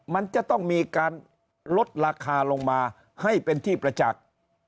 มันจะต้องมีการลดราคาลงมาให้เป็นที่ประจักษ์